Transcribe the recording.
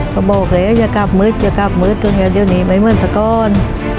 ก็บอกเลยอย่ากลับมืดอย่าเดี่ยวหนีไม่เหมือนสักคน